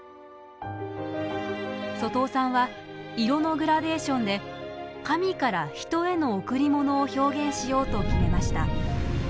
外尾さんは色のグラデーションで神から人への贈り物を表現しようと決めました。